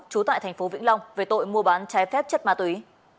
trú tại tp vĩnh long về tội mua bán trái phép chất ma túy